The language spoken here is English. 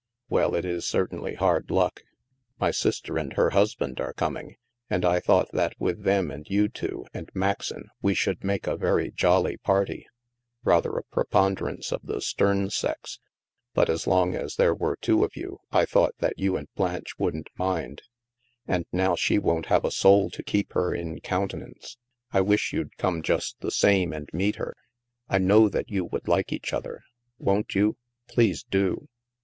" Well, it is certainly hard luck 1 My sister and her husband are coming, and I thought that with them and you two, and Maxon, we should make a very jolly party. Rather a preponderance of the stem sex, but as long as there were two of you, I thought that you and Blanche wouldn't mind. And now she won't have a soul to keep her, in counte nance. I wish you'd come jiist the same, and meet i84 THE MASK her. I know that you would like each other. Won't you? Please do."